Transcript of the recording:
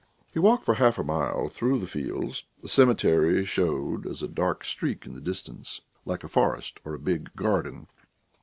He walked for half a mile through the fields; the cemetery showed as a dark streak in the distance, like a forest or a big garden.